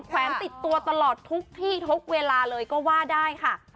แวนติดตัวตลอดทุกที่ทุกเวลาเลยก็ว่าได้ค่ะ